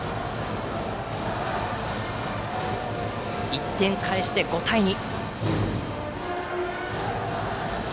１点返して５対２。